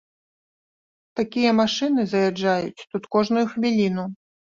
Такія машыны заязджаюць тут кожную хвіліну.